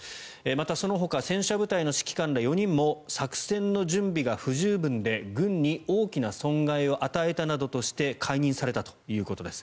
また、そのほか戦車部隊の指揮官ら４人も作戦の準備が不十分で軍に大きな損害を与えたなどとして解任されたということです。